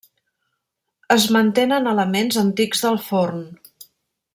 Es mantenen elements antics del forn.